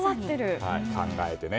考えてね。